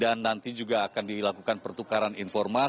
dan nanti juga akan dilakukan pertukaran pertukaran pertukaran